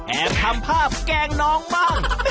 แอบทำภาพแกล้งน้องบ้าง